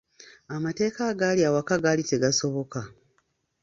Amateeka agaali awaka gaali tegasoboka.